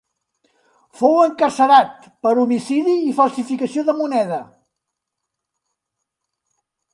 Fou encarcerat per homicidi i falsificació de moneda.